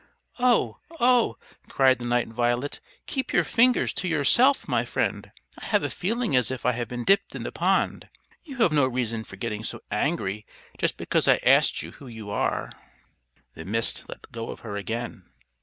"Oh, oh!" cried the Night Violet. "Keep your fingers to yourself, my friend. I have a feeling as if I had been dipped in the pond. You have no reason for getting so angry just because I asked you who you are." The Mist let go of her again.